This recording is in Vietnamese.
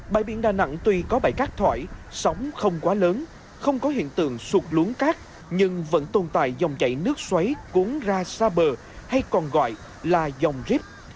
bãi biển đà nẵng tuy có bãi cát thoải sóng không quá lớn không có hiện tượng sụt luống cát nhưng vẫn tồn tại dòng chạy nước xoáy cuốn ra xa bờ hay còn gọi là dòng ríp